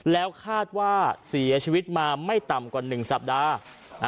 แล้วคาดว่าเสียชีวิตมาไม่ต่ำกว่า๑สัปดาห์